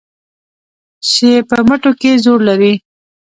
چې په مټو کې زور لري